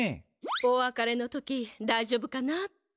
おわかれの時だいじょうぶかなって。